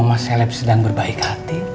bu mama seleb sedang berbaik hati